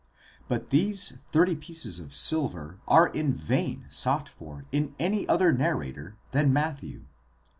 But these thirty pieces of silver are in vain sought for in any other narrator than Matthew.